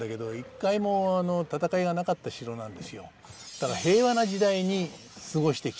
だから平和な時代に過ごしてきた城。